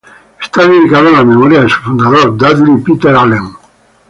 Está dedicado a la memoria de su fundador, Dudley Peter Allen.